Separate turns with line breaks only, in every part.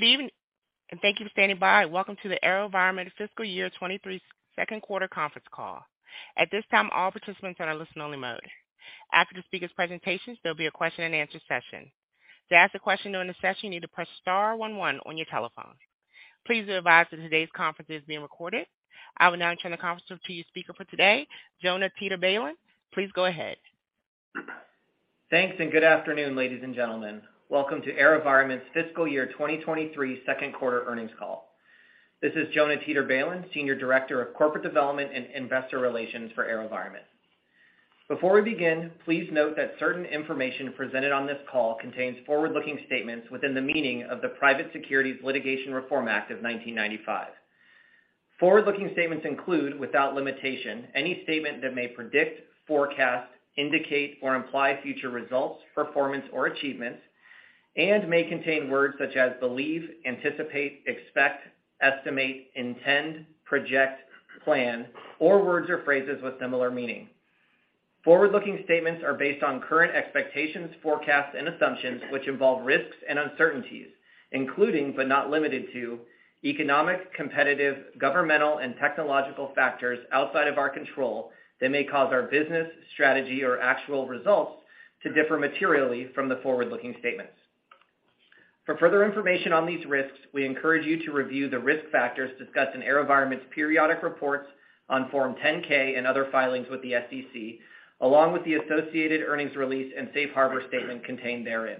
Good evening. Thank you for standing by. Welcome to the AeroVironment fiscal year 2023 second quarter conference call. At this time, all participants are in listen only mode. After the speaker's presentations, there'll be a question-and-answer session. To ask a question during the session, you need to press star one one on your telephone. Please be advised that today's conference is being recorded. I will now turn the conference to your speaker for today, Jonah Teeter-Balin. Please go ahead.
Thanks, good afternoon, ladies and gentlemen. Welcome to AeroVironment's fiscal year 2023 second quarter earnings call. This is Jonah Teeter-Balin, Senior Director of Corporate Development and Investor Relations for AeroVironment. Before we begin, please note that certain information presented on this call contains forward-looking statements within the meaning of the Private Securities Litigation Reform Act of 1995. Forward-looking statements include, without limitation, any statement that may predict, forecast, indicate, or imply future results, performance, or achievements and may contain words such as believe, anticipate, expect, estimate, intend, project, plan, or words or phrases with similar meaning. Forward-looking statements are based on current expectations, forecasts, and assumptions which involve risks and uncertainties, including but not limited to economic, competitive, governmental, and technological factors outside of our control that may cause our business strategy or actual results to differ materially from the forward-looking statements. For further information on these risks, we encourage you to review the risk factors discussed in AeroVironment's periodic reports on Form 10-K and other filings with the SEC, along with the associated earnings release and safe harbor statement contained therein.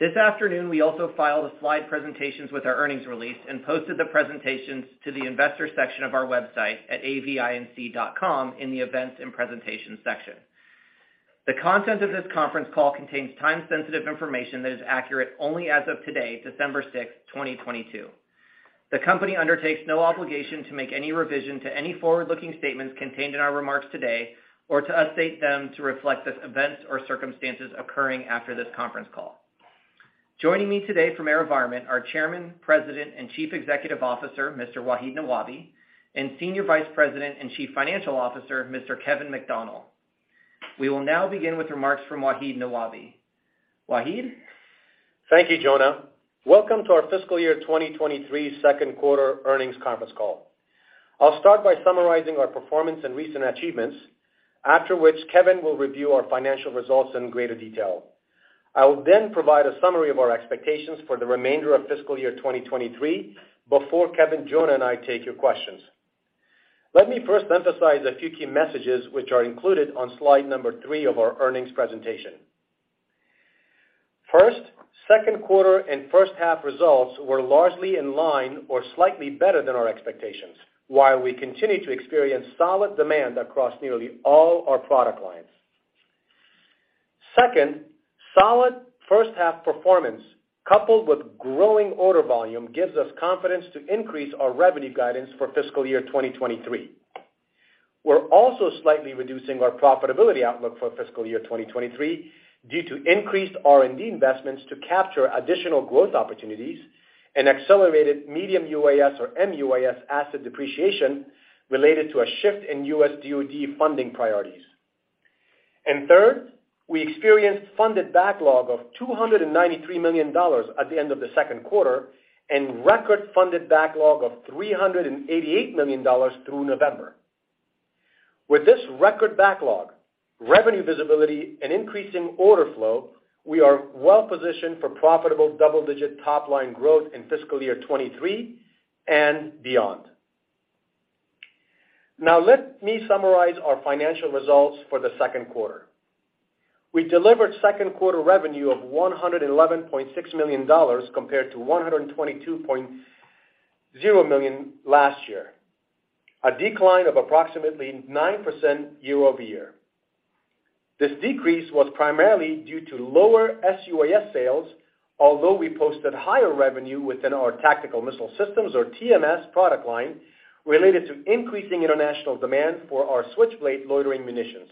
This afternoon, we also filed slide presentations with our earnings release and posted the presentations to the investor section of our website at avinc.com in the Events and Presentations section. The content of this conference call contains time-sensitive information that is accurate only as of today, December 6th, 2022. The company undertakes no obligation to make any revision to any forward-looking statements contained in our remarks today or to update them to reflect this event or circumstances occurring after this conference call. Joining me today from AeroVironment are Chairman, President, and Chief Executive Officer, Mr. Wahid Nawabi, and Senior Vice President and Chief Financial Officer, Mr. Kevin McDonnell. We will now begin with remarks from Wahid Nawabi. Wahid.
Thank you, Jonah. Welcome to our fiscal year 2023 second quarter earnings conference call. I'll start by summarizing our performance and recent achievements. After which Kevin will review our financial results in greater detail. I will then provide a summary of our expectations for the remainder of fiscal year 2023 before Kevin, Jonah, and I take your questions. Let me first emphasize a few key messages which are included on slide number three of our earnings presentation. First, second quarter and first half results were largely in line or slightly better than our expectations, while we continue to experience solid demand across nearly all our product lines. Second, solid first half performance coupled with growing order volume gives us confidence to increase our revenue guidance for fiscal year 2023. We're also slightly reducing our profitability outlook for fiscal year 2023 due to increased R&D investments to capture additional growth opportunities and accelerated medium UAS or MUAS asset depreciation related to a shift in U.S. DOD funding priorities. Third, we experienced funded backlog of $293 million at the end of the second quarter and record-funded backlog of $388 million through November. With this record backlog, revenue visibility, and increasing order flow, we are well positioned for profitable double-digit top-line growth in fiscal year 2023 and beyond. Let me summarize our financial results for the second quarter. We delivered second quarter revenue of $111.6 million compared to $122.0 million last year. A decline of approximately 9% year-over-year. This decrease was primarily due to lower SUAS sales, although we posted higher revenue within our tactical missile systems or TMS product line related to increasing international demand for our Switchblade loitering munitions.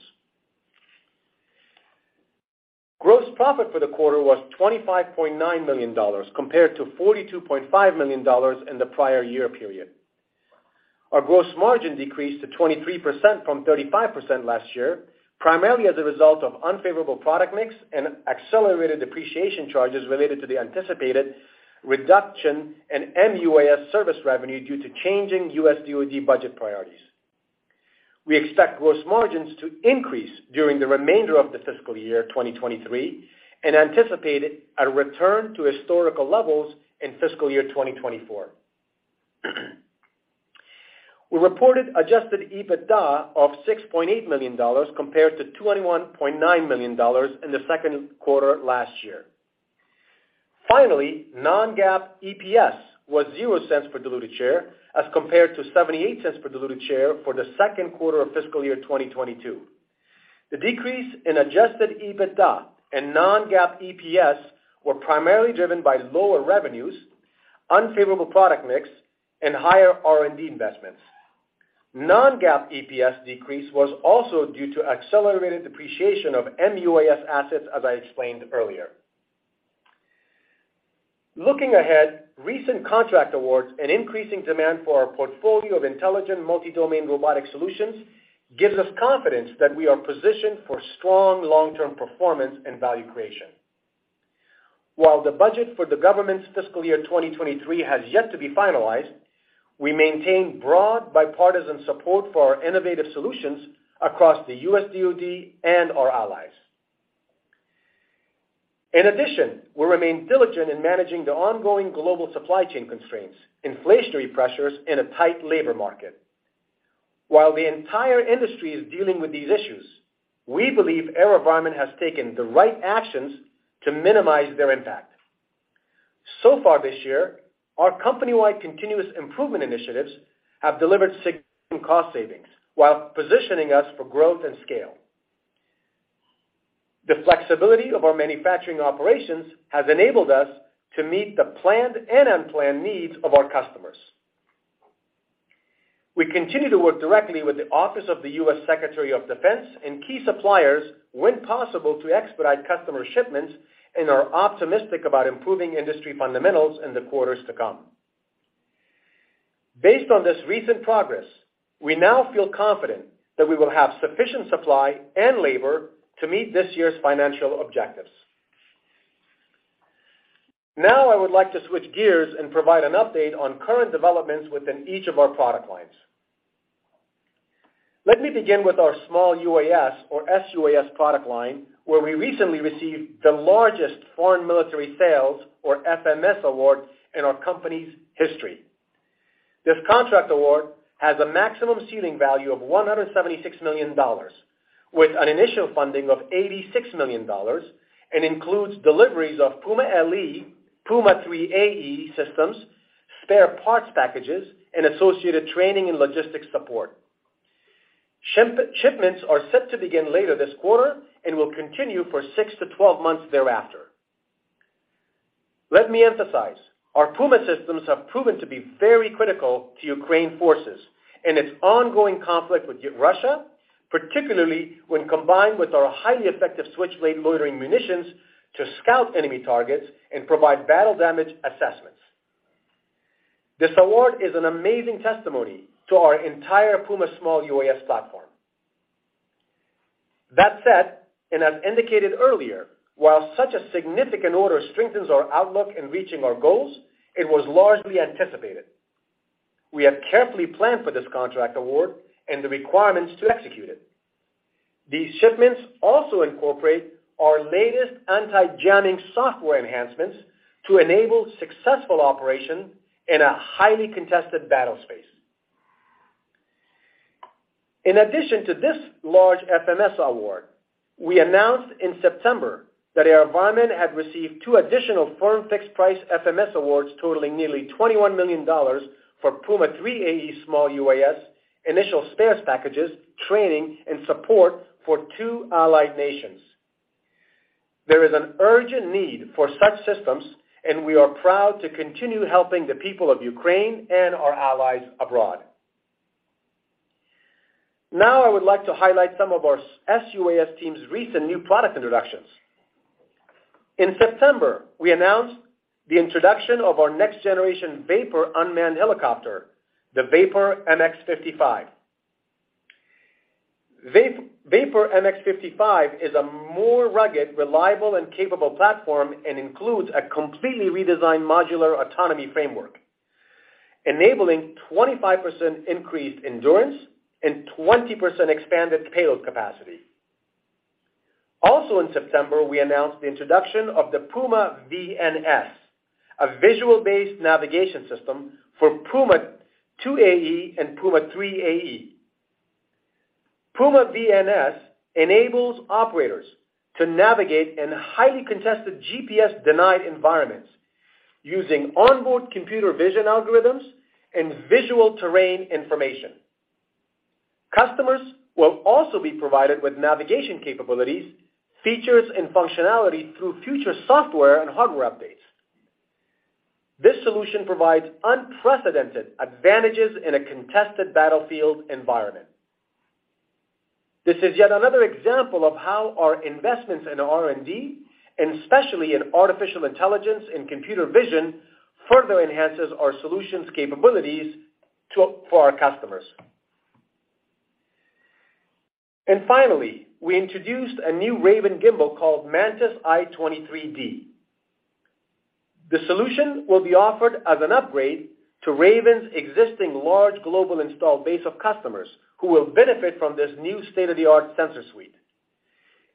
Gross profit for the quarter was $25.9 million compared to $42.5 million in the prior year period. Our gross margin decreased to 23% from 35% last year, primarily as a result of unfavorable product mix and accelerated depreciation charges related to the anticipated reduction in MUAS service revenue due to changing U.S. DOD budget priorities. We expect gross margins to increase during the remainder of the fiscal year 2023 and anticipate a return to historical levels in fiscal year 2024. We reported adjusted EBITDA of $6.8 million compared to $21.9 million in the second quarter last year. non-GAAP EPS was $0 per diluted share as compared to $0.78 per diluted share for the second quarter of fiscal year 2022. The decrease in adjusted EBITDA and non-GAAP EPS were primarily driven by lower revenues, unfavorable product mix, and higher R&D investments. non-GAAP EPS decrease was also due to accelerated depreciation of MUAS assets, as I explained earlier. Looking ahead, recent contract awards and increasing demand for our portfolio of intelligent multi-domain robotic solutions gives us confidence that we are positioned for strong long-term performance and value creation. While the budget for the government's fiscal year 2023 has yet to be finalized, we maintain broad bipartisan support for our innovative solutions across the U.S. DOD and our allies. We remain diligent in managing the ongoing global supply chain constraints, inflationary pressures, and a tight labor market. While the entire industry is dealing with these issues, we believe AeroVironment has taken the right actions to minimize their impact. So far this year, our company-wide continuous improvement initiatives have delivered significant cost savings while positioning us for growth and scale. The flexibility of our manufacturing operations has enabled us to meet the planned and unplanned needs of our customers. We continue to work directly with the Office of the Secretary of Defense and key suppliers when possible to expedite customer shipments and are optimistic about improving industry fundamentals in the quarters to come. Based on this recent progress, we now feel confident that we will have sufficient supply and labor to meet this year's financial objectives. Now, I would like to switch gears and provide an update on current developments within each of our product lines. Let me begin with our small UAS or SUAS product line, where we recently received the largest Foreign Military Sales or FMS award in our company's history. This contract award has a maximum ceiling value of $176 million, with an initial funding of $86 million, and includes deliveries of Puma LE, Puma 3 AE systems, spare parts packages, and associated training and logistics support. Shipments are set to begin later this quarter and will continue for 6-12 months thereafter. Let me emphasize, our Puma systems have proven to be very critical to Ukraine forces and its ongoing conflict with Russia, particularly when combined with our highly effective Switchblade motoring munitions to scout enemy targets and provide battle damage assessments. This award is an amazing testimony to our entire Puma small UAS platform. That said, as indicated earlier, while such a significant order strengthens our outlook in reaching our goals, it was largely anticipated. We have carefully planned for this contract award and the requirements to execute it. These shipments also incorporate our latest anti-jamming software enhancements to enable successful operation in a highly contested battle space. In addition to this large FMS award, we announced in September that AeroVironment had received two additional firm fixed price FMS awards totaling nearly $21 million for Puma 3 AE small UAS, initial spares packages, training, and support for two allied nations. There is an urgent need for such systems, and we are proud to continue helping the people of Ukraine and our allies abroad. I would like to highlight some of our SUAS team's recent new product introductions. In September, we announced the introduction of our next-generation VAPOR unmanned helicopter, the VAPOR 55 MX. VAPOR 55 MX is a more rugged, reliable, and capable platform and includes a completely redesigned modular autonomy framework, enabling 25% increased endurance and 20% expanded payload capacity. Also in September, we announced the introduction of the Puma VNS, a visual-based navigation system for Puma 2 AE and Puma 3 AE. Puma VNS enables operators to navigate in highly contested GPS-denied environments using onboard computer vision algorithms and visual terrain information. Customers will also be provided with navigation capabilities, features, and functionality through future software and hardware updates. This solution provides unprecedented advantages in a contested battlefield environment. This is yet another example of how our investments in R&D, and especially in artificial intelligence and computer vision, further enhances our solutions capabilities for our customers. Finally, we introduced a new Raven gimbal called Mantis i23 D. The solution will be offered as an upgrade to Raven's existing large global installed base of customers who will benefit from this new state-of-the-art sensor suite.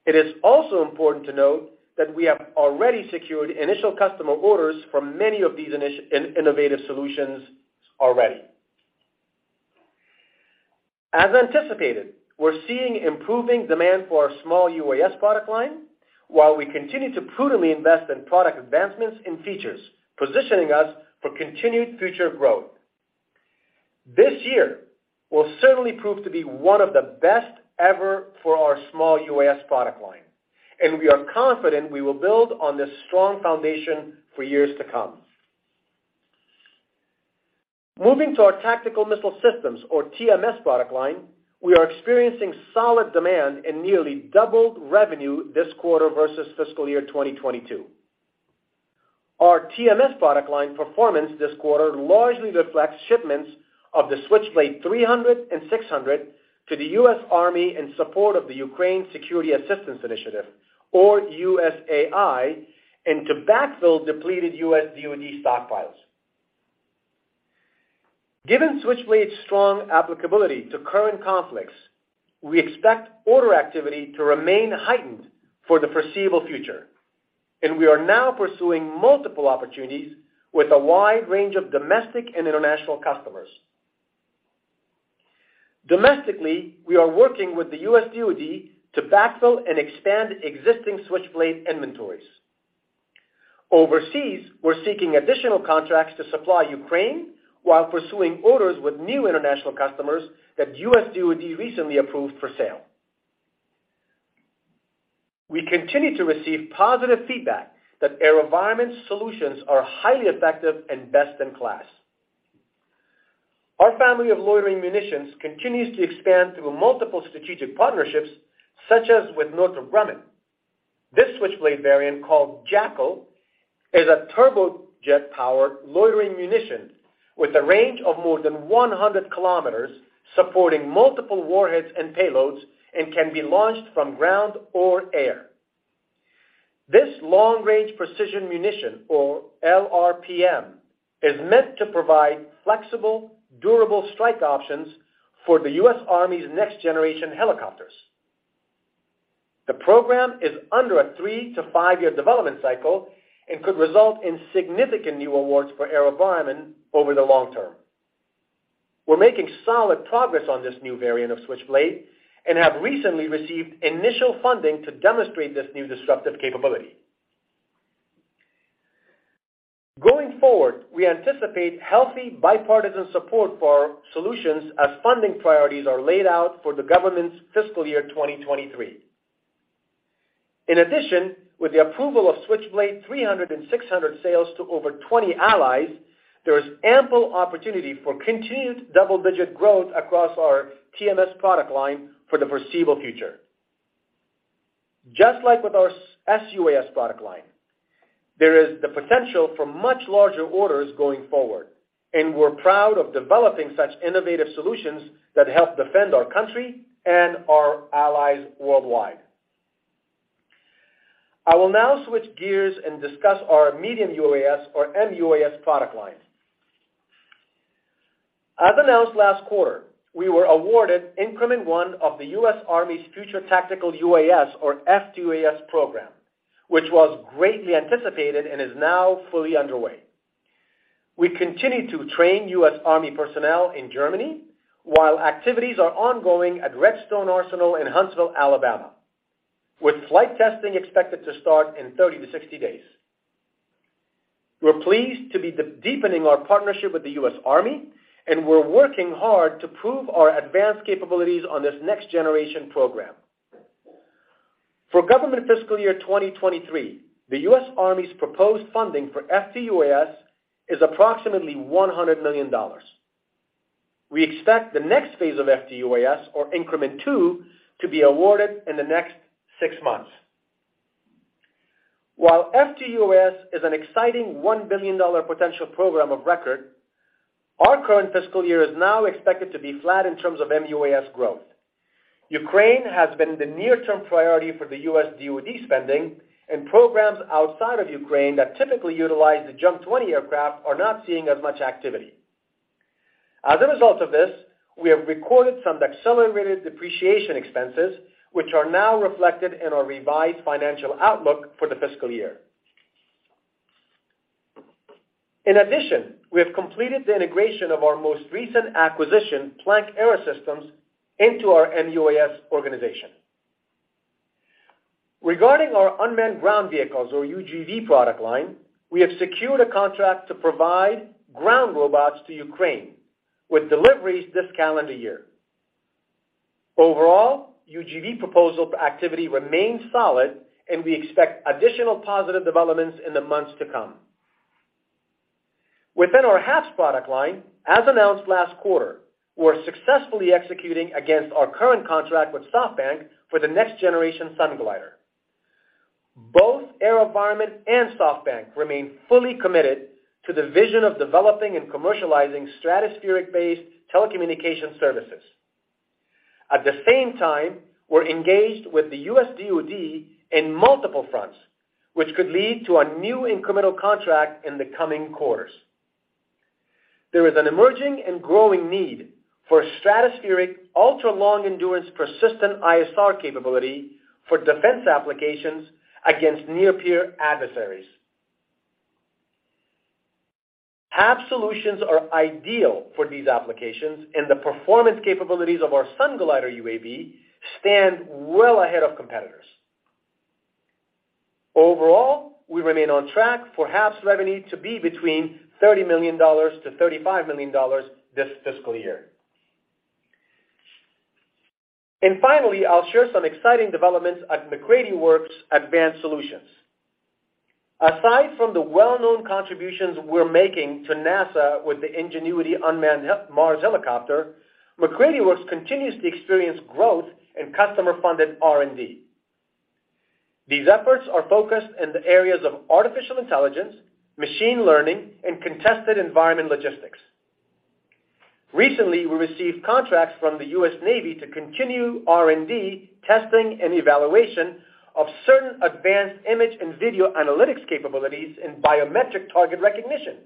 It is also important to note that we have already secured initial customer orders from many of these innovative solutions already. As anticipated, we're seeing improving demand for our small UAS product line while we continue to prudently invest in product advancements and features, positioning us for continued future growth. This year will certainly prove to be one of the best ever for our small UAS product line, and we are confident we will build on this strong foundation for years to come. Moving to our tactical missile systems or TMS product line, we are experiencing solid demand and nearly doubled revenue this quarter versus fiscal year 2022. Our TMS product line performance this quarter largely reflects shipments of the Switchblade 300 and 600 to the U.S. Army in support of the Ukraine Security Assistance Initiative, or USAI, and to backfill depleted U.S. DOD stockpiles. Given Switchblade's strong applicability to current conflicts, we expect order activity to remain heightened for the foreseeable future. We are now pursuing multiple opportunities with a wide range of domestic and international customers. Domestically, we are working with the U.S. DOD to backfill and expand existing Switchblade inventories. Overseas, we're seeking additional contracts to supply Ukraine while pursuing orders with new international customers that U.S. DOD recently approved for sale. We continue to receive positive feedback that AeroVironment's solutions are highly effective and best in class. Our family of loitering munitions continues to expand through multiple strategic partnerships, such as with Northrop Grumman. This Switchblade variant, called Jackal, is a turbojet-powered loitering munition with a range of more than 100 km, supporting multiple warheads and payloads and can be launched from ground or air. This long-range precision munition, or LRPM, is meant to provide flexible, durable strike options for the U.S. Army's next-generation helicopters. The program is under a three-five year development cycle and could result in significant new awards for AeroVironment over the long term. We're making solid progress on this new variant of Switchblade and have recently received initial funding to demonstrate this new disruptive capability. Going forward, we anticipate healthy bipartisan support for our solutions as funding priorities are laid out for the government's fiscal year 2023. In addition, with the approval of Switchblade 300 and 600 sales to over 20 allies, there is ample opportunity for continued double-digit growth across our TMS product line for the foreseeable future. Just like with our SUAS product line, there is the potential for much larger orders going forward, and we're proud of developing such innovative solutions that help defend our country and our allies worldwide. I will now switch gears and discuss our MUAS product line. As announced last quarter, we were awarded Increment one of the U.S. Army's Future Tactical UAS or FTUAS program, which was greatly anticipated and is now fully underway. We continue to train U.S. Army personnel in Germany while activities are ongoing at Redstone Arsenal in Huntsville, Alabama, with flight testing expected to start in 30-60 days. We're pleased to be deepening our partnership with the U.S. Army, we're working hard to prove our advanced capabilities on this next-generation program. For government fiscal year 2023, the U.S. Army's proposed funding for FTUAS is approximately $100 million. We expect the next phase of FTUAS, or Increment Two, to be awarded in the next six months. FTUAS is an exciting $1 billion potential program of record, our current fiscal year is now expected to be flat in terms of MUAS growth. Ukraine has been the near-term priority for the U.S. DOD spending, programs outside of Ukraine that typically utilize the JUMP 20 aircraft are not seeing as much activity. As a result of this, we have recorded some accelerated depreciation expenses, which are now reflected in our revised financial outlook for the fiscal year. In addition, we have completed the integration of our most recent acquisition, Planck AeroSystems, into our MUAS organization. Regarding our unmanned ground vehicles or UGV product line, we have secured a contract to provide ground robots to Ukraine with deliveries this calendar year. Overall, UGV proposal activity remains solid, and we expect additional positive developments in the months to come. Within our HAPS product line, as announced last quarter, we're successfully executing against our current contract with SoftBank for the next-generation Sunglider. Both AeroVironment and SoftBank remain fully committed to the vision of developing and commercializing stratospheric-based telecommunication services. At the same time, we're engaged with the U.S. DOD in multiple fronts, which could lead to a new incremental contract in the coming quarters. There is an emerging and growing need for a stratospheric, ultra-long endurance, persistent ISR capability for defense applications against near-peer adversaries. HAPS solutions are ideal for these applications. The performance capabilities of our Sunglider UAV stand well ahead of competitors. Overall, we remain on track for HAPS revenue to be between $30 million-$35 million this fiscal year. Finally, I'll share some exciting developments at MacCready Works Advanced Solutions. Aside from the well-known contributions we're making to NASA with the Ingenuity unmanned Mars helicopter, MacCready Works continues to experience growth in customer-funded R&D. These efforts are focused in the areas of artificial intelligence, machine learning, and contested environment logistics. Recently, we received contracts from the U.S. Navy to continue R&D testing and evaluation of certain advanced image and video analytics capabilities in biometric target recognition.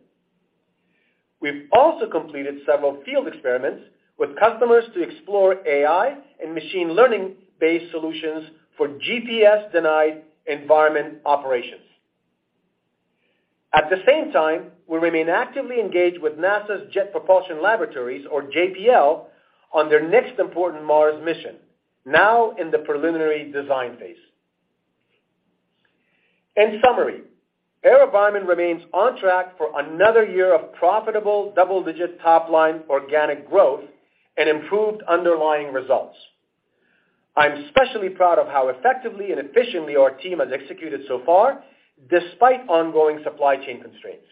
We've also completed several field experiments with customers to explore AI and machine learning-based solutions for GPS-denied environment operations. At the same time, we remain actively engaged with NASA's Jet Propulsion Laboratories, or JPL, on their next important Mars mission, now in the preliminary design phase. In summary, AeroVironment remains on track for another year of profitable double-digit top-line organic growth and improved underlying results. I'm especially proud of how effectively and efficiently our team has executed so far despite ongoing supply chain constraints.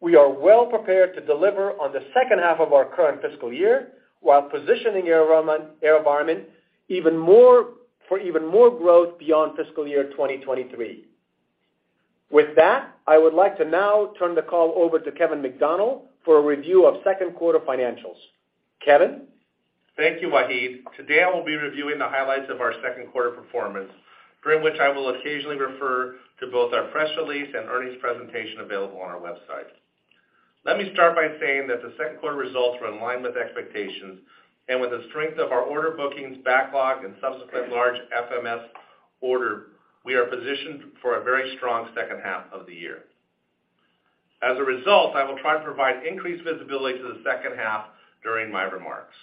We are well prepared to deliver on the second half of our current fiscal year while positioning AeroVironment for even more growth beyond fiscal year 2023. With that, I would like to now turn the call over to Kevin McDonnell for a review of second quarter financials. Kevin?
Thank you, Wahid. Today I will be reviewing the highlights of our second quarter performance, during which I will occasionally refer to both our press release and earnings presentation available on our website. Let me start by saying that the second quarter results were in line with expectations, and with the strength of our order bookings, backlog, and subsequent large FMS order, we are positioned for a very strong second half of the year. As a result, I will try to provide increased visibility to the second half during my remarks.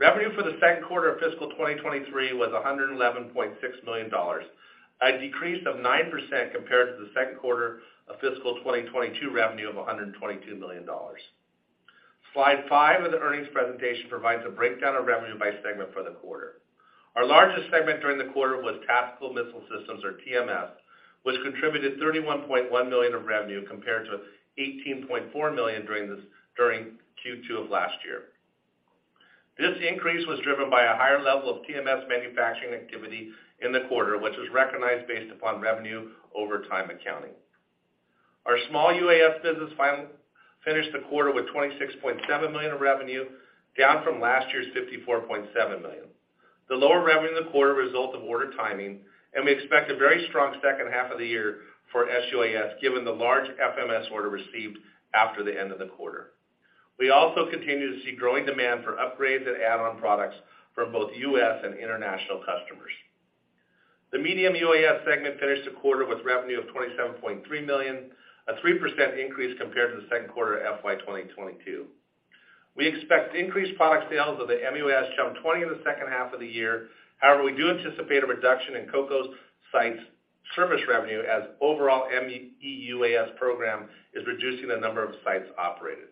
Revenue for the second quarter of fiscal 2023 was $111.6 million, a decrease of 9% compared to the second quarter of fiscal 2022 revenue of $122 million. Slide five of the earnings presentation provides a breakdown of revenue by segment for the quarter. Our largest segment during the quarter was Tactical Missile Systems, or TMS, which contributed $31.1 million of revenue compared to $18.4 million during Q2 of last year. Our small UAS business finished the quarter with $26.7 million of revenue, down from last year's $54.7 million. The lower revenue in the quarter result of order timing, and we expect a very strong second half of the year for SUAS, given the large FMS order received after the end of the quarter. We also continue to see growing demand for upgrades and add-on products from both U.S. and international customers. The medium UAS segment finished the quarter with revenue of $27.3 million, a 3% increase compared to the second quarter of FY 2022. We expect increased product sales of the MUAS JUMP 20 in the second half of the year. We do anticipate a reduction in COCO's sites service revenue as overall MEUAS program is reducing the number of sites operated.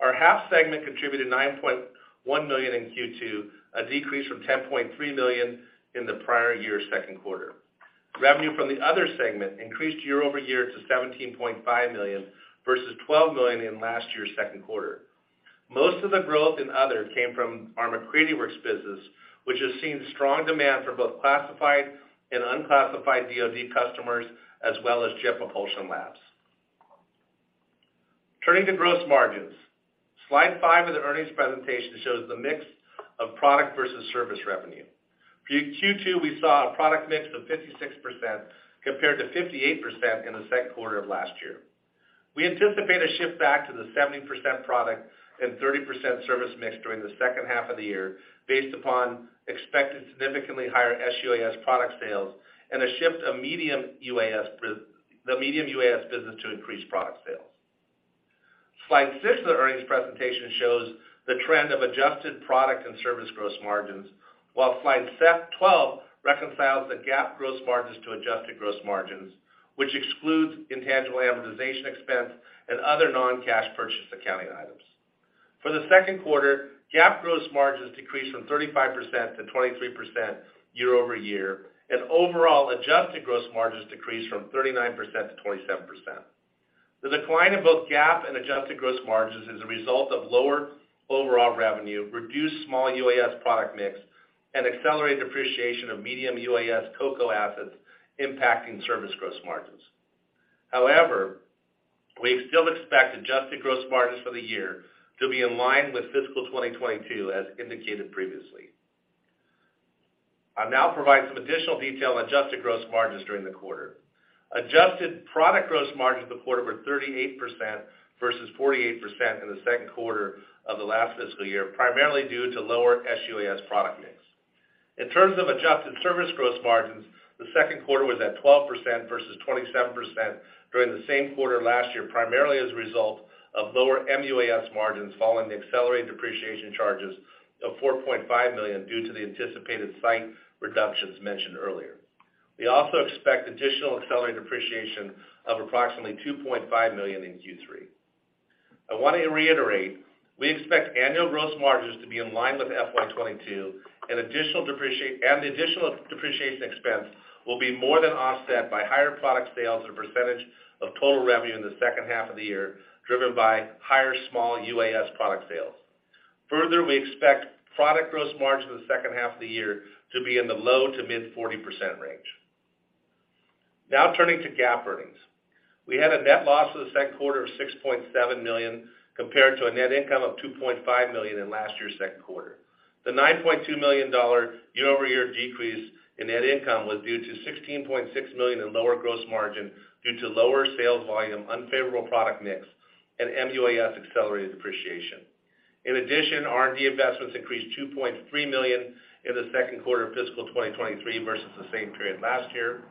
Our HAPS segment contributed $9.1 million in Q2, a decrease from $10.3 million in the prior year's second quarter. Revenue from the other segment increased year-over-year to $17.5 million, versus $12 million in last year's second quarter. Most of the growth in other came from our MacCready Works business, which has seen strong demand for both classified and unclassified DoD customers, as well as Jet Propulsion Labs. Turning to gross margins. Slide five of the earnings presentation shows the mix of product versus service revenue. For Q2, we saw a product mix of 56% compared to 58% in the second quarter of last year. We anticipate a shift back to the 70% product and 30% service mix during the second half of the year based upon expected significantly higher SUAS product sales and a shift of the medium UAS business to increase product sales. Slide six of the earnings presentation shows the trend of adjusted product and service gross margins, while slide 12 reconciles the GAAP gross margins to adjusted gross margins, which excludes intangible amortization expense and other non-cash purchase accounting items. For the second quarter, GAAP gross margins decreased from 35% to 23% year-over-year. Overall adjusted gross margins decreased from 39%-27%. The decline in both GAAP and adjusted gross margins is a result of lower overall revenue, reduced small UAS product mix, and accelerated depreciation of medium UAS COCO assets impacting service gross margins. However, we still expect adjusted gross margins for the year to be in line with fiscal 2022, as indicated previously. I'll now provide some additional detail on adjusted gross margins during the quarter. Adjusted product gross margins in the quarter were 38% versus 48% in the second quarter of the last fiscal year, primarily due to lower SUAS product mix. In terms of adjusted service gross margins, the second quarter was at 12% versus 27% during the same quarter last year, primarily as a result of lower MUAS margins following the accelerated depreciation charges of $4.5 million due to the anticipated site reductions mentioned earlier. We also expect additional accelerated depreciation of approximately $2.5 million in Q3. I want to reiterate, we expect annual gross margins to be in line with FY 2022, and additional depreciation expense will be more than offset by higher product sales as a percentage of total revenue in the second half of the year, driven by higher small UAS product sales. Further, we expect product gross margin in the second half of the year to be in the low to mid 40% range. Now turning to GAAP earnings. We had a net loss for the second quarter of $6.7 million, compared to a net income of $2.5 million in last year's second quarter. The $9.2 million year-over-year decrease in net income was due to $16.6 million in lower gross margin due to lower sales volume, unfavorable product mix, and MUAS accelerated depreciation. R&D investments increased $2.3 million in the second quarter of fiscal 2023 versus the same period last year.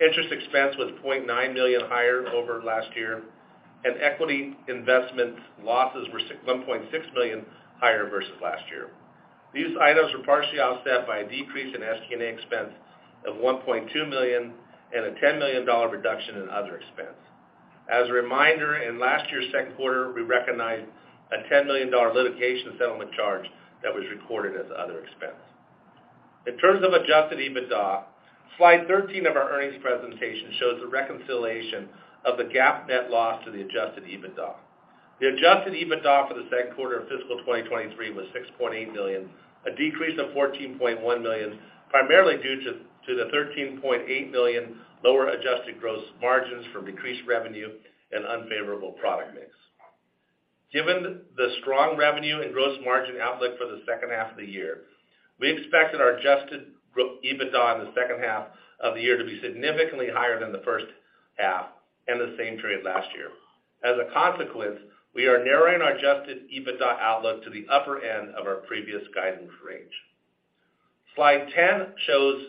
Interest expense was $0.9 million higher over last year, and equity investment losses were $1.6 million higher versus last year. These items were partially offset by a decrease in SG&A expense of $1.2 million and a $10 million reduction in other expense. As a reminder, in last year's second quarter, we recognized a $10 million litigation settlement charge that was recorded as other expense. In terms of adjusted EBITDA, slide 13 of our earnings presentation shows a reconciliation of the GAAP net loss to the adjusted EBITDA. The adjusted EBITDA for the second quarter of fiscal 2023 was $6.8 million, a decrease of $14.1 million, primarily due to the $13.8 million lower adjusted gross margins from decreased revenue and unfavorable product mix. Given the strong revenue and gross margin outlook for the second half of the year, we expect that our adjusted EBITDA in the second half of the year to be significantly higher than the first half and the same period last year. As a consequence, we are narrowing our adjusted EBITDA outlook to the upper end of our previous guidance range. Slide 10 shows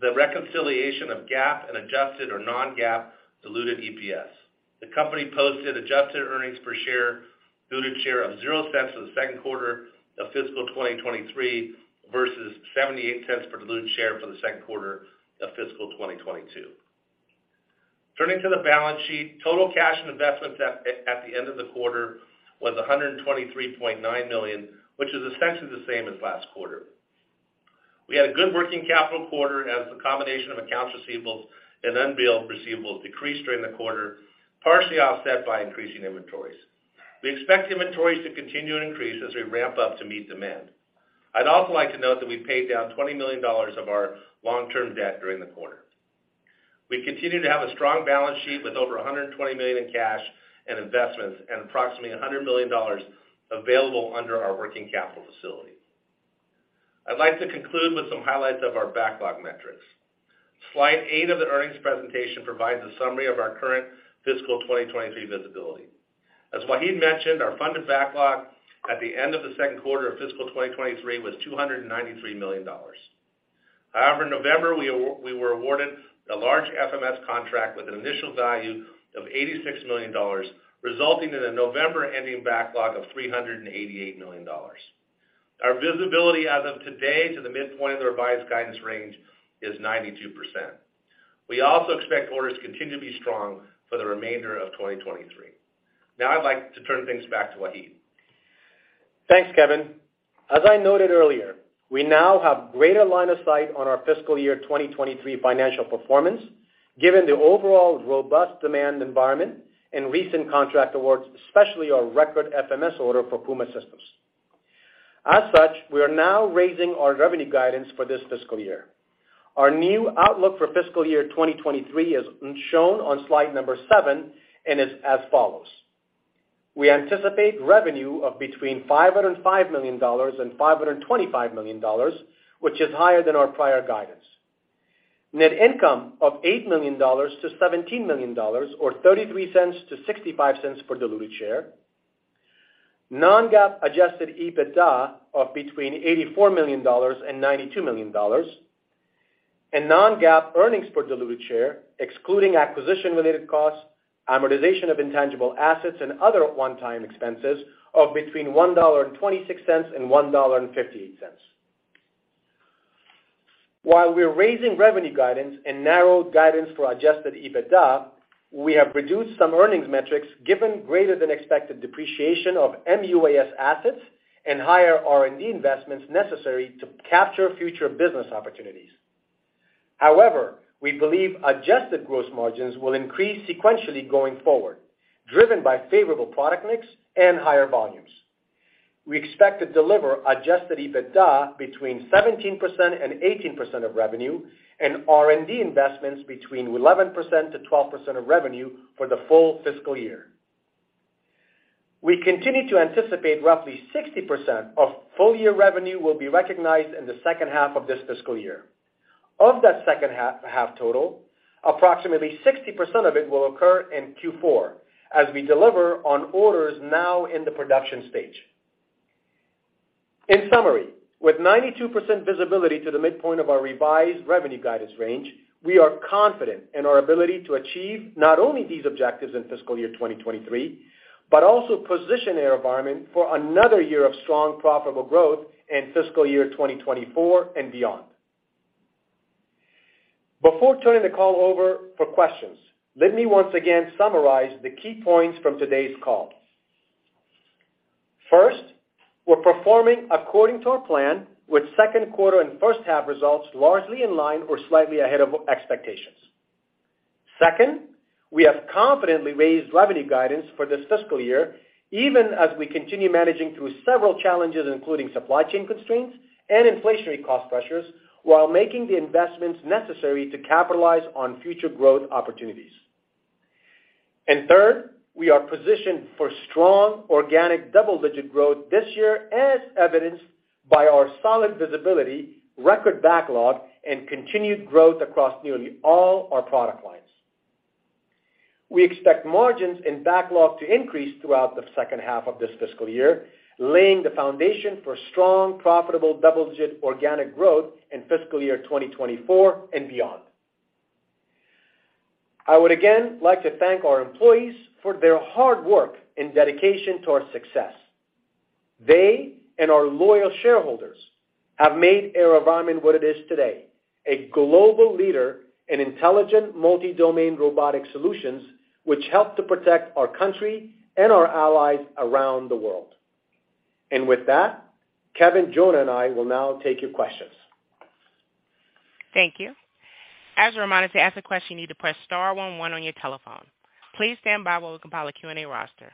the reconciliation of GAAP and adjusted or non-GAAP diluted EPS. The company posted adjusted earnings per share, diluted share of $0.00 for the second quarter of fiscal 2023 versus $0.78 per diluted share for the second quarter of fiscal 2022. Turning to the balance sheet, total cash and investments at the end of the quarter was $123.9 million, which is essentially the same as last quarter. We had a good working capital quarter as a combination of accounts receivables and unbilled receivables decreased during the quarter, partially offset by increasing inventories. We expect inventories to continue to increase as we ramp up to meet demand. I'd also like to note that we paid down $20 million of our long-term debt during the quarter. We continue to have a strong balance sheet with over $120 million in cash and investments and approximately $100 million available under our working capital facility. I'd like to conclude with some highlights of our backlog metrics. Slide eight of the earnings presentation provides a summary of our current fiscal 2023 visibility. As Wahid mentioned, our funded backlog at the end of the second quarter of fiscal 2023 was $293 million. In November, we were awarded a large FMS contract with an initial value of $86 million, resulting in a November-ending backlog of $388 million. Our visibility as of today to the midpoint of the revised guidance range is 92%. We also expect orders to continue to be strong for the remainder of 2023. Now I'd like to turn things back to Wahid.
Thanks, Kevin. As I noted earlier, we now have greater line of sight on our fiscal year 2023 financial performance, given the overall robust demand environment and recent contract awards, especially our record FMS order for Puma systems. We are now raising our revenue guidance for this fiscal year. Our new outlook for fiscal year 2023 is shown on slide number seven and is as follows. We anticipate revenue of between $505 million and $525 million, which is higher than our prior guidance. Net income of $8 million-$17 million, or $0.33-$0.65 per diluted share. Non-GAAP adjusted EBITDA of between $84 million and $92 million. Non-GAAP earnings per diluted share, excluding acquisition-related costs, amortization of intangible assets, and other one time expenses of between $1.26 and $1.58. While we're raising revenue guidance and narrowed guidance for adjusted EBITDA, we have reduced some earnings metrics given greater than expected depreciation of MUAS assets and higher R&D investments necessary to capture future business opportunities. However, we believe adjusted gross margins will increase sequentially going forward, driven by favorable product mix and higher volumes. We expect to deliver adjusted EBITDA between 17% and 18% of revenue and R&D investments between 11% to 12% of revenue for the full fiscal year. We continue to anticipate roughly 60% of full-year revenue will be recognized in the second half of this fiscal year. Of that second half total, approximately 60% of it will occur in Q4 as we deliver on orders now in the production stage. In summary, with 92% visibility to the midpoint of our revised revenue guidance range, we are confident in our ability to achieve not only these objectives in fiscal year 2023, but also position AeroVironment for another year of strong profitable growth in fiscal year 2024 and beyond. Before turning the call over for questions, let me once again summarize the key points from today's call. First, we're performing according to our plan with second quarter and first half results largely in line or slightly ahead of expectations. Second, we have confidently raised revenue guidance for this fiscal year, even as we continue managing through several challenges, including supply chain constraints and inflationary cost pressures, while making the investments necessary to capitalize on future growth opportunities. Third, we are positioned for strong organic double-digit growth this year, as evidenced by our solid visibility, record backlog, and continued growth across nearly all our product lines. We expect margins in backlog to increase throughout the second half of this fiscal year, laying the foundation for strong, profitable double-digit organic growth in fiscal year 2024 and beyond. I would again like to thank our employees for their hard work and dedication to our success. They and our loyal shareholders have made AeroVironment what it is today, a global leader in intelligent multi-domain robotic solutions which help to protect our country and our allies around the world. With that, Kevin, Jonah, and I will now take your questions.
Thank you. As a reminder, to ask a question, you need to press star one one on your telephone. Please stand by while we compile a Q&A roster.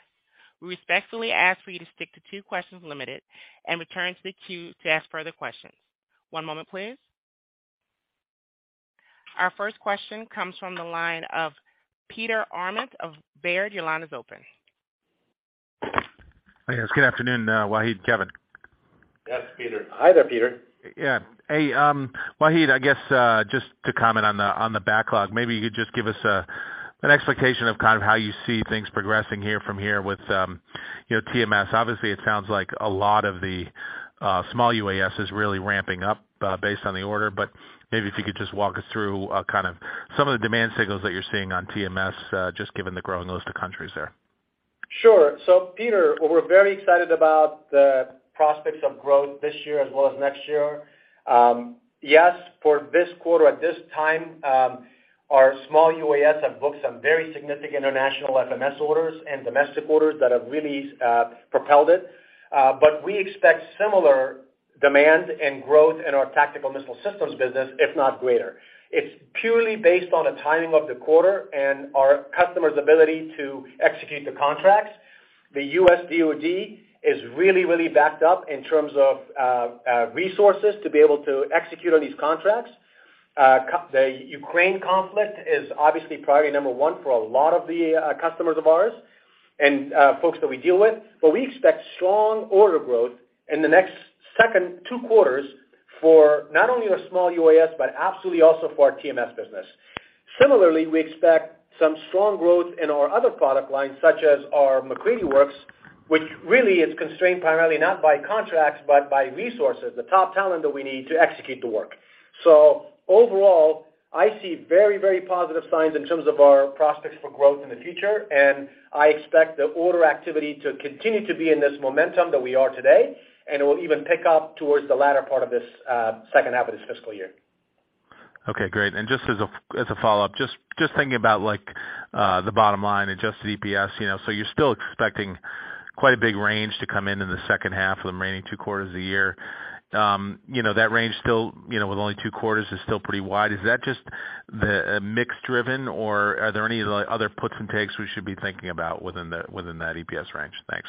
We respectfully ask for you to stick to two questions limited and return to the queue to ask further questions. One moment, please. Our first question comes from the line of Peter Arment of Baird. Your line is open.
good afternoon, Wahid, Kevin.
Yes, Peter. Hi there, Peter.
Yeah. Hey, Wahid, I guess, just to comment on the, on the backlog, maybe you could just give us an expectation of kind of how you see things progressing here from here with, you know, TMS. Obviously, it sounds like a lot of the small UAS is really ramping up, based on the order. Maybe if you could just walk us through kind of some of the demand signals that you're seeing on TMS, just given the growing list of countries there.
Sure. Peter, we're very excited about the prospects of growth this year as well as next year. Yes, for this quarter, at this time, our small UAS have booked some very significant international FMS orders and domestic orders that have really propelled it. We expect similar demand and growth in our tactical missile systems business, if not greater. It's purely based on the timing of the quarter and our customers' ability to execute the contracts. The U.S. DOD is really backed up in terms of resources to be able to execute on these contracts. The Ukraine conflict is obviously priority number one for a lot of the customers of ours and folks that we deal with. We expect strong order growth in the next second two quarters for not only our small UAS, but absolutely also for our TMS business. Similarly, we expect some strong growth in our other product lines, such as our MacCready Works, which really is constrained primarily not by contracts, but by resources, the top talent that we need to execute the work. Overall, I see very, very positive signs in terms of our prospects for growth in the future, and I expect the order activity to continue to be in this momentum that we are today, and it will even pick up towards the latter part of this second half of this fiscal year.
Okay, great. Just as a follow-up, just thinking about like the bottom line, adjusted EPS, you know. You're still expecting quite a big range to come in in the second half for the remaining two quarters of the year. You know, that range still, you know, with only two quarters is still pretty wide. Is that just the mix driven, or are there any other puts and takes we should be thinking about within that EPS range? Thanks.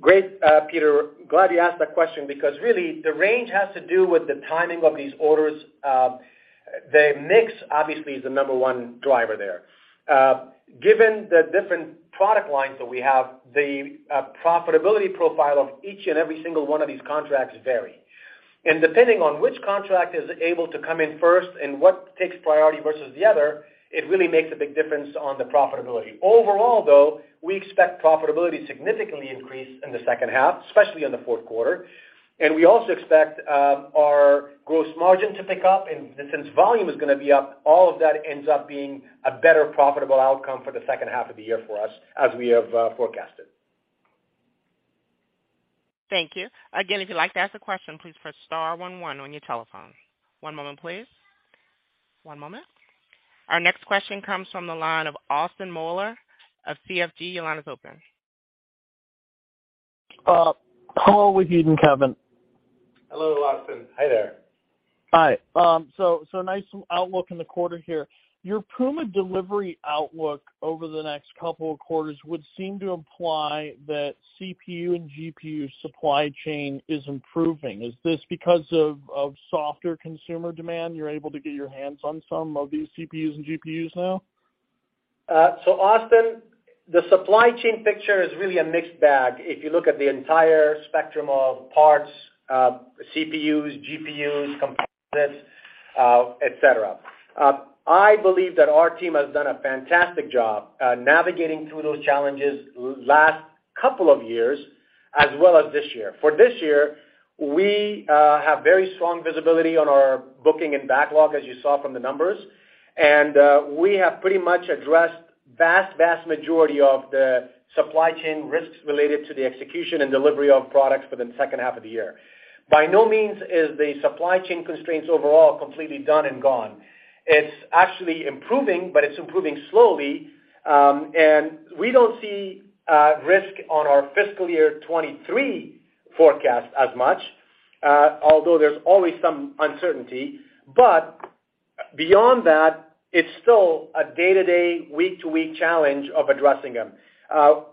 Great, Peter, glad you asked that question because really the range has to do with the timing of these orders. The mix obviously is the number one driver there. Given the different product lines that we have, the profitability profile of each and every single one of these contracts vary. Depending on which contract is able to come in first and what takes priority versus the other, it really makes a big difference on the profitability. Overall, though, we expect profitability significantly increase in the second half, especially in the fourth quarter. We also expect our gross margin to pick up. Since volume is gonna be up, all of that ends up being a better profitable outcome for the second half of the year for us as we have forecasted.
Thank you. Again, if you'd like to ask a question, please press star one one on your telephone. One moment, please. One moment. Our next question comes from the line of Austin Moeller of CFG. Your line is open.
Hello, Wahid and Kevin.
Hello, Austin. Hi there.
Hi. nice outlook in the quarter here. Your Puma delivery outlook over the next couple of quarters would seem to imply that CPU and GPU supply chain is improving. Is this because of softer consumer demand, you're able to get your hands on some of these CPUs and GPUs now?
Austin, the supply chain picture is really a mixed bag if you look at the entire spectrum of parts, CPUs, GPUs, components, etc. I believe that our team has done a fantastic job, navigating through those challenges last couple of years, as well as this year. For this year, we have very strong visibility on our booking and backlog, as you saw from the numbers. We have pretty much addressed vast majority of the supply chain risks related to the execution and delivery of products for the second half of the year. By no means is the supply chain constraints overall completely done and gone. It's actually improving, but it's improving slowly. We don't see risk on our fiscal year 2023 forecast as much. Although there's always some uncertainty. Beyond that, it's still a day-to-day, week-to-week challenge of addressing them.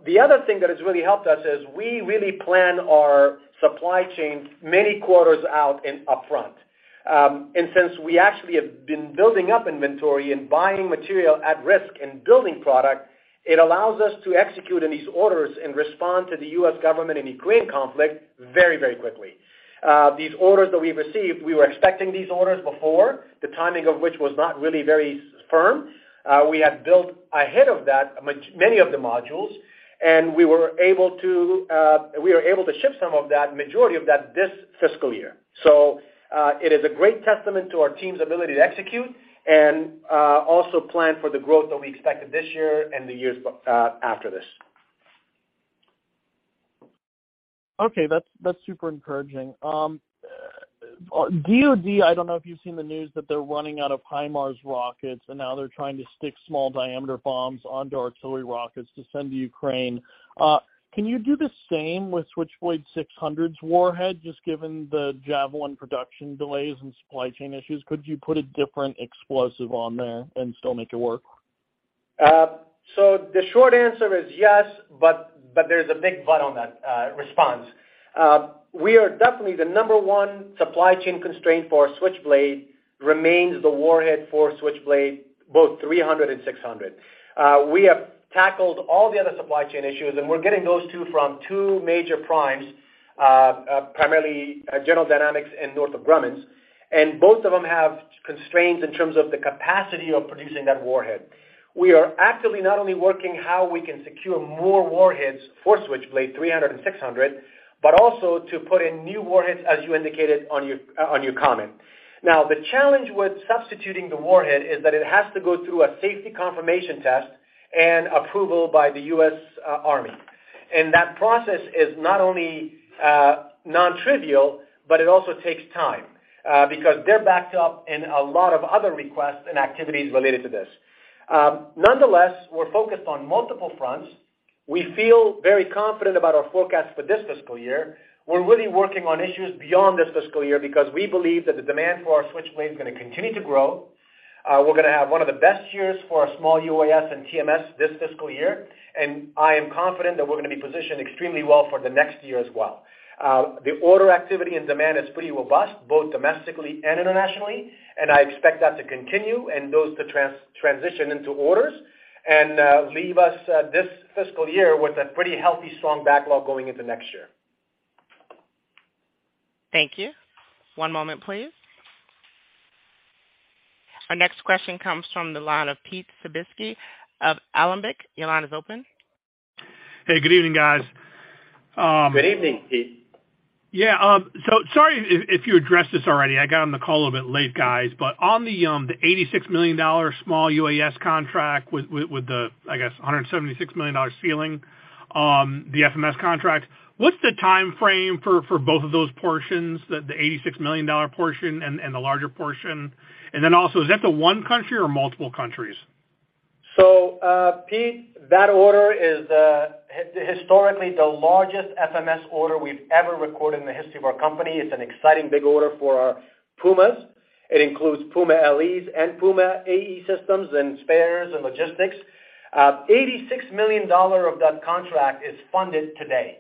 The other thing that has really helped us is we really plan our supply chain many quarters out and upfront. Since we actually have been building up inventory and buying material at risk and building product, it allows us to execute on these orders and respond to the U.S. government and Ukraine conflict very, very quickly. These orders that we received, we were expecting these orders before, the timing of which was not really very firm. We had built ahead of that many of the modules, and we were able to ship some of that majority of that this fiscal year. It is a great testament to our team's ability to execute and also plan for the growth that we expected this year and the years after this.
Okay. That's super encouraging. DoD, I don't know if you've seen the news that they're running out of HIMARS rockets, and now they're trying to stick small diameter bombs onto artillery rockets to send to Ukraine. Can you do the same with Switchblade 600's warhead? Just given the Javelin production delays and supply chain issues, could you put a different explosive on there and still make it work?
The short answer is yes, but there's a big but on that response. We are definitely the number one supply chain constraint for Switchblade remains the warhead for Switchblade, both 300 and 600. We have tackled all the other supply chain issues, and we're getting those two from two major primes, primarily General Dynamics and Northrop Grumman. Both of them have constraints in terms of the capacity of producing that warhead. We are actively not only working how we can secure more warheads for Switchblade 300 and 600, but also to put in new warheads, as you indicated on your comment. The challenge with substituting the warhead is that it has to go through a safety confirmation test and approval by the U.S. Army. That process is not only non-trivial, but it also takes time because they're backed up in a lot of other requests and activities related to this. Nonetheless, we're focused on multiple fronts. We feel very confident about our forecast for this fiscal year. We're really working on issues beyond this fiscal year because we believe that the demand for our Switchblade is gonna continue to grow. We're gonna have one of the best years for our small UAS and TMS this fiscal year, and I am confident that we're gonna be positioned extremely well for the next year as well. The order activity and demand is pretty robust, both domestically and internationally, and I expect that to continue, and those to transition into orders and leave us this fiscal year with a pretty healthy, strong backlog going into next year.
Thank you. One moment, please. Our next question comes from the line of Pete Skibitski of Alembic. Your line is open.
Hey, good evening, guys.
Good evening, Pete.
Sorry if you addressed this already. I got on the call a bit late, guys. On the $86 million small UAS contract with the, I guess, $176 million ceiling, the FMS contract, what's the timeframe for both of those portions, the $86 million portion and the larger portion? Is that the one country or multiple countries?
Pete, that order is historically the largest FMS order we've ever recorded in the history of our company. It's an exciting big order for our Pumas. It includes Puma LEs and Puma AE systems and spares and logistics. $86 million of that contract is funded today.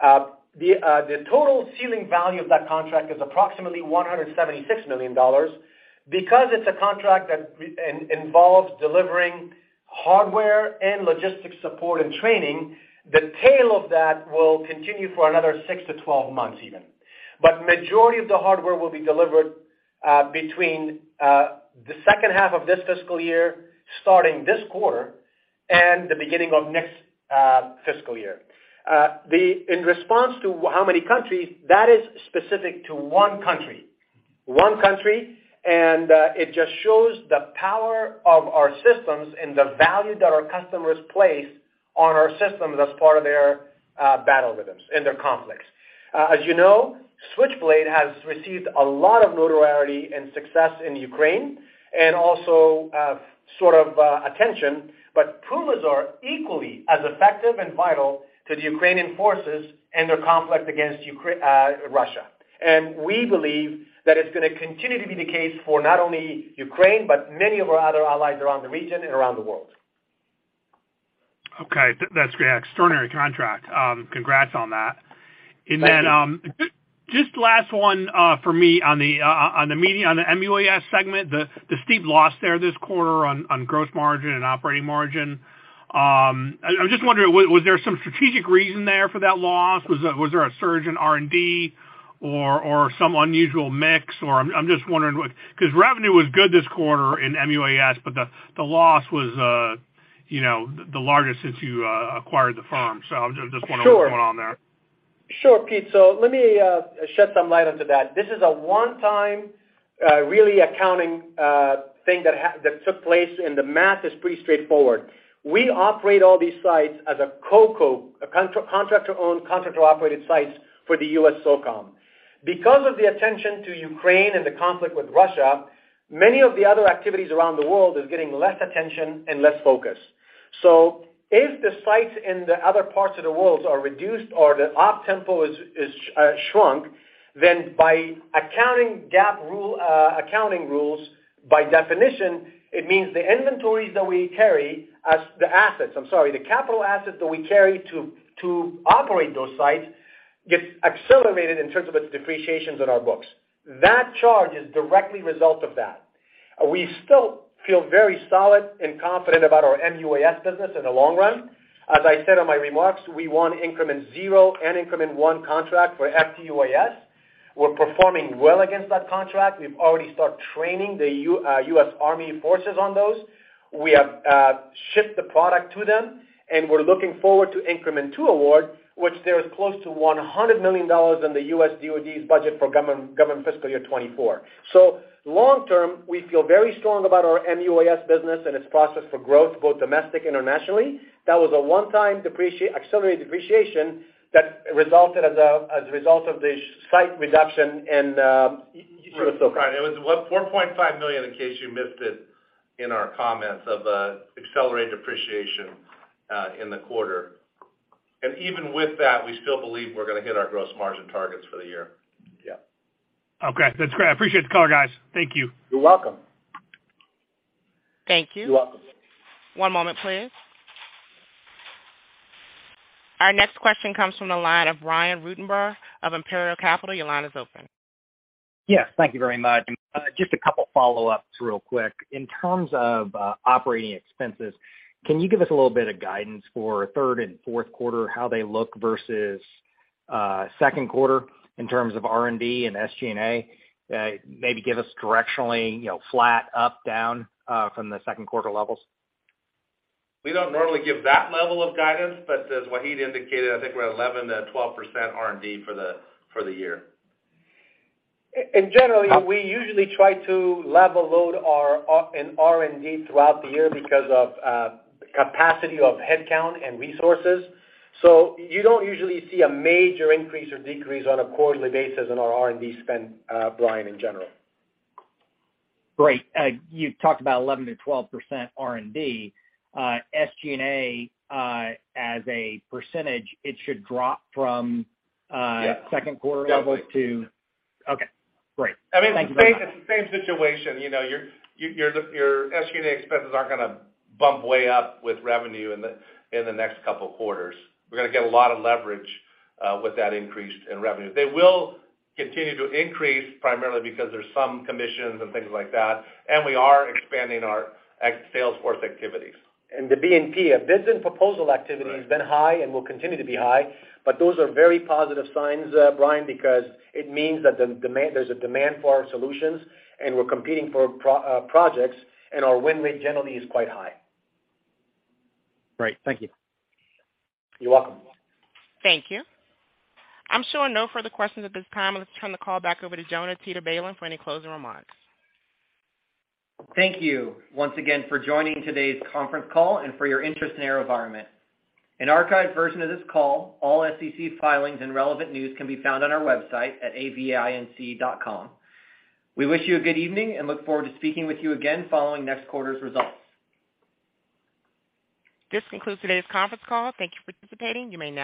The total ceiling value of that contract is approximately $176 million. Because it's a contract that involves delivering hardware and logistics support and training, the tail of that will continue for another six-12 months even. Majority of the hardware will be delivered between the second half of this fiscal year, starting this quarter, and the beginning of next fiscal year. In response to how many countries, that is specific to one country. One country. It just shows the power of our systems and the value that our customers place on our systems as part of their battle rhythms in their conflicts. As you know, Switchblade has received a lot of notoriety and success in Ukraine and also, sort of, attention, but Pumas are equally as effective and vital to the Ukrainian forces and their conflict against Russia. We believe that it's gonna continue to be the case for not only Ukraine, but many of our other allies around the region and around the world.
Okay. That's great. Extraordinary contract. Congrats on that.
Thank you.
Just last one, for me on the MUAS segment, the steep loss there this quarter on gross margin and operating margin. I was just wondering, was there some strategic reason there for that loss? Was there a surge in R&D or some unusual mix or. I'm just wondering Because revenue was good this quarter in MUAS, but the loss was, you know, the largest since you acquired the firm. I just wanna know.
Sure.
What's going on there?
Sure, Pete. Let me shed some light onto that. This is a one time, really accounting thing that took place, The math is pretty straightforward. We operate all these sites as a COCO, a contractor-owned, contractor-operated sites for the USSOCOM. Because of the attention to Ukraine and the conflict with Russia, many of the other activities around the world is getting less attention and less focus. If the sites in the other parts of the world are reduced or the op tempo is shrunk, By accounting GAAP rule, accounting rules, by definition, it means the inventories that we carry as the assets, I'm sorry, the capital assets that we carry to operate those sites gets accelerated in terms of its depreciations on our books. That charge is directly a result of that. We still feel very solid and confident about our MUAS business in the long run. As I said in my remarks, we won increment zero and increment one contract for FTUAS. We're performing well against that contract. We've already start training the U.S. Army forces on those. We have shipped the product to them, and we're looking forward to increment two award, which there is close to $100 million in the U.S. DOD's budget for government fiscal year 2024. Long term, we feel very strong about our MUAS business and its process for growth, both domestic and internationally. That was a one time accelerated depreciation that resulted as a result of the site reduction in.
Sure. Right. It was what? $4.5 million, in case you missed it in our comments of accelerated depreciation in the quarter. Even with that, we still believe we're gonna hit our gross margin targets for the year.
Yeah.
Okay, that's great. I appreciate the color, guys. Thank you.
You're welcome.
Thank you.
You're welcome.
One moment, please. Our next question comes from the line of Brian Ruttenbur of Imperial Capital. Your line is open.
Yes, thank you very much. Just a couple follow-ups real quick. In terms of operating expenses, can you give us a little bit of guidance for third and fourth quarter, how they look versus second quarter in terms of R&D and SG&A? Maybe give us directionally, you know, flat, up, down, from the second quarter levels.
We don't normally give that level of guidance, but as Wahid indicated, I think we're at 11%-12% R&D for the, for the year.
Generally, we usually try to level load our in R&D throughout the year because of capacity of headcount and resources. You don't usually see a major increase or decrease on a quarterly basis in our R&D spend, Brian, in general.
Great. You talked about 11%-12% R&D. SG&A, as a percentage, it should drop from.
Yeah.
Second quarter levels.
Definitely.
Okay, great. Thank you very much.
I mean, it's the same situation. You know, your SG&A expenses aren't gonna bump way up with revenue in the next couple of quarters. We're gonna get a lot of leverage with that increase in revenue. They will continue to increase primarily because there's some commissions and things like that, and we are expanding our sales force activities.
The BNP, our business proposal activity.
Right.
Has been high and will continue to be high, but those are very positive signs, Brian, because it means that there's a demand for our solutions, and we're competing for projects, and our win rate generally is quite high.
Great. Thank you.
You're welcome.
Thank you. I'm showing no further questions at this time. Let's turn the call back over to Jonah Teeter-Balin for any closing remarks.
Thank you once again for joining today's conference call and for your interest in AeroVironment. An archived version of this call, all SEC filings and relevant news can be found on our website at avinc.com. We wish you a good evening and look forward to speaking with you again following next quarter's results.
This concludes today's conference call. Thank you for participating. You may disconnect.